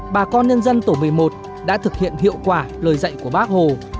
bà con nhân dân tổ một mươi một đã thực hiện hiệu quả lời dạy của bác hồ